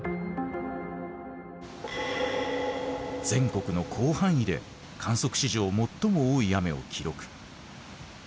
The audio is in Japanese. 全国の広範囲で観測史上最も多い雨を記録。